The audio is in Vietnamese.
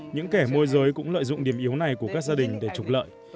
những kẻ môi giới cũng lợi dụng điểm yếu này của các gia đình để trục lợi